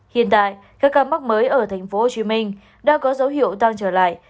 hiện tại các ca mắc mới ở tp hcm đang có dấu hiệu tăng trở lại